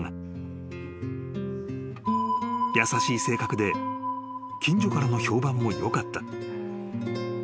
［優しい性格で近所からの評判もよかった］